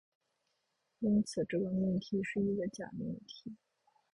因此，这个命题是一个假命题。